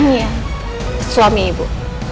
iya suami ibu